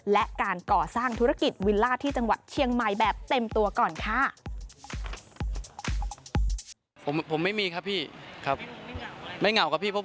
และการก่อสร้างธุรกิจวิลล่าที่จังหวัดเชียงใหม่แบบเต็มตัวก่อนค่ะ